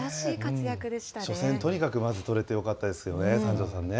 初戦、とにかくまず取れてよかったですよね、三條さんね。